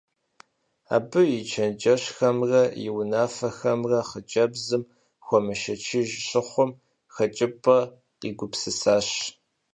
Абы и чэнджэщхэмрэ и унафэхэмрэ хъыджэбзым хуэмышэчыж щыхъум, хэкӀыпӀэ къигупсысащ.